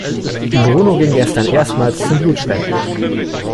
Bruno ging gestern erstmals zum Blutspenden.